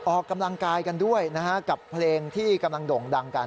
ออกกำลังกายกันด้วยนะฮะกับเพลงที่กำลังโด่งดังกัน